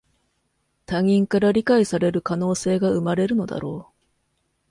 他人から理解される可能性が生まれるのだろう